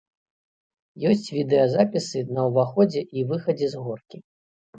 Ёсць відэазапісы на ўваходзе і выхадзе з горкі.